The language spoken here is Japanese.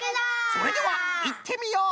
それではいってみよう！